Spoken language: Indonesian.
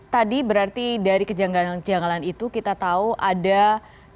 tadi berarti dari kejanggalan kejanggalan itu kita tahu ada